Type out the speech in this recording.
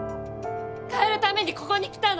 変えるためにここに来たの。